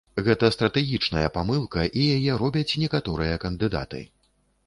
Гэта стратэгічная памылка, і яе робяць некаторыя кандыдаты.